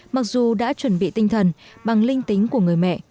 mặc dù đã chuẩn bị tinh thần bằng linh tính của người mẹ